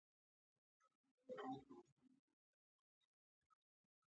لکه يتيم ناهيلی ناست وو، د تسليت پرې چا ونکړل آوازونه